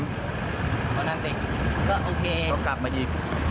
ก็นั่นสิก็โอเคก็กลับมาอีก